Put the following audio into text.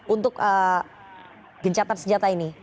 untuk gencatan senjata ini